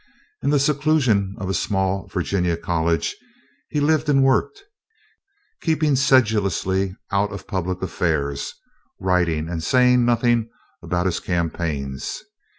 In the seclusion of a small Virginia college he lived and worked, keeping sedulously out of public affairs, writing and saying nothing about his campaigns.